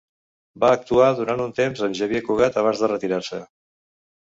Va actuar durant un temps amb Xavier Cugat abans de retirar-se.